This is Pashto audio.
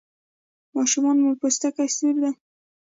ماشوم مو پوستکی سور دی؟